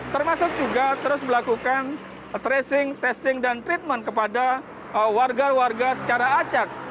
termasuk juga terus melakukan tracing testing dan treatment kepada warga warga secara acak